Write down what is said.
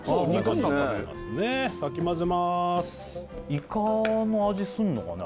イカの味すんのかね？